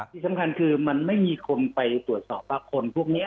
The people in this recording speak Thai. ที่สำคัญคือมันไม่มีคนไปตรวจสอบว่าคนพวกนี้